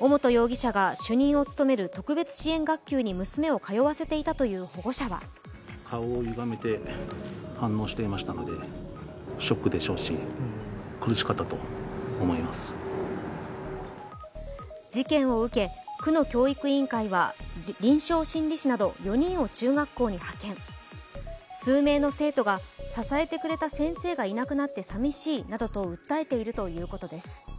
尾本容疑者が主任を務める特別支援学級に娘を通わせていたという保護者は事件を受け区の教育委員会は臨床心理士など４人を中学校に派遣数名の生徒が支えてくれた先生がいなくなってさみしいなどと訴えているということです。